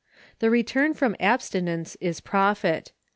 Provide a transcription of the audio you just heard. The return from abstinence is Profit.